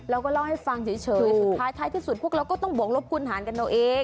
เราก็เล่าให้ฟังเฉยคือสุดท้ายท้ายที่สุดพวกเราก็ต้องบวกลบคุณหารกันเอาเอง